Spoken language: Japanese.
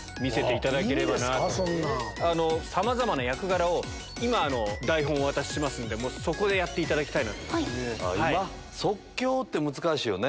さまざまな役柄を今台本をお渡ししますんでそこでやっていただきたいなと。